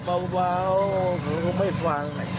แล้วผมไม่ฟัง